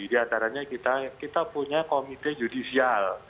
di antaranya kita punya komite judicial